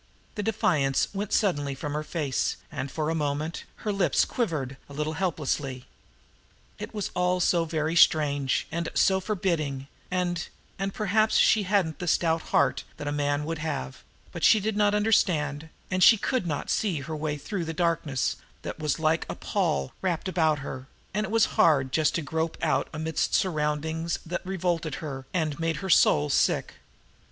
The defiance went suddenly from her face; and, for a moment, her lips quivered a little helplessly. It was all so very strange, and so forbidding, and and, perhaps she hadn't the stout heart that a man would have but she did not understand, and she could not see her way through the darkness that was like a pall wrapped about her and it was hard just to grope out amidst surroundings that revolted her and made her soul sick.